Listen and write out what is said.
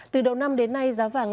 từ đầu năm đến nay giá vàng